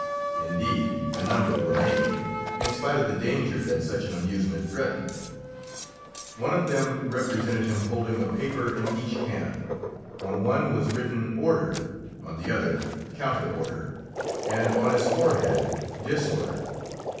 Indeed, a number were made, in spite of the danger that such an amusement threatened. One of them represented him holding a paper in each hand. On one was written "order," on the other "counter order," and on his forehead "disorder."